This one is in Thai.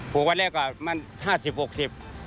หกวันเรียกละมัน๕๐๖๐วันต่อไปก็เป็นร้อยครับผม